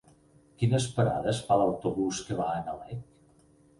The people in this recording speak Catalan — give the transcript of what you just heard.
Quines parades fa l'autobús que va a Nalec?